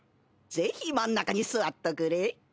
ぜひ真ん中に座っとくれ。